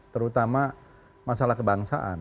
terutama masalah kebangsaan